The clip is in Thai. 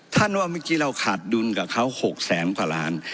ว่าเมื่อกี้เราขาดดุลกับเขา๖แสนกว่าล้าน